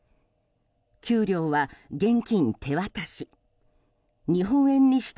給料は現金手渡し。